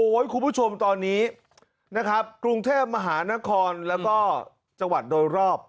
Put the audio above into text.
คุณผู้ชมตอนนี้นะครับกรุงเทพมหานครแล้วก็จังหวัดโดยรอบ